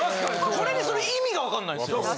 これにする意味がわかんないんすよ。